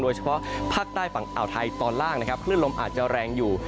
เฉพาะภาคใต้ฝั่งอ่าวไทยตอนล่างนะครับคลื่นลมอาจจะแรงอยู่